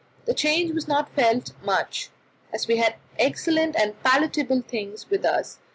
The change was not felt much, as we had excellent and palatable things with us.